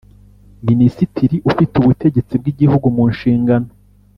Minisitiri ufite ubutegetsi bw Igihugu mu nshingano